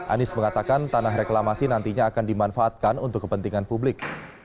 anies mengatakan tanah reklamasi nantinya akan dimanfaatkan untuk kepentingan publik